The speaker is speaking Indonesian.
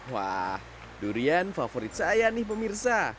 wah durian favorit saya nih pemirsa